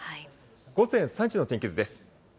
午前３時の天気図です。